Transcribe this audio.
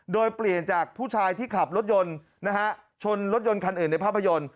โดยเปลี่ยนจากผู้ชายที่ขับรถยนต์นะฮะชนรถยนต์คันอื่นในภาพยนตร์